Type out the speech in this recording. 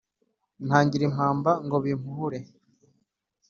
ntangira impamba ngo bimpuhure.